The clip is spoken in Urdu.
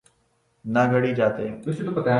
نہ گھڑی جاتیں۔